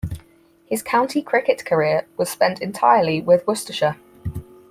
His county cricket career was spent entirely with Worcestershire.